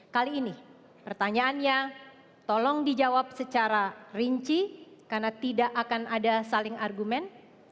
kali ini pertanyaannya tolong dijawab secara rinci karena tidak akan ada saling argumen